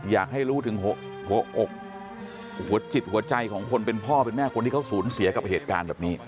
อยากให้รู้ถึงหัวอกหัวจิตหัวใจของคนเป็นพ่อเป็นแม่คนที่เขาสูญเสียกับเหตุการณ์แบบนี้